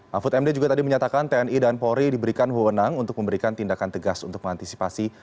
mahfud md juga tadi menyatakan tni dan polri diberikan wewenang untuk memberikan tindakan tegas untuk mengantisipasi